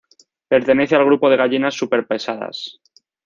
Pertenece al grupo de gallinas super pesadas.